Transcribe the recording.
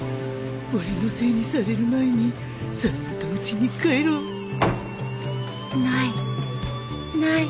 俺のせいにされる前にさっさとうちに帰ろうない。